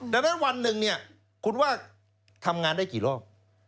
ดังนั้นวันหนึ่งเนี่ยคุณว่าทำงานได้กี่รอบ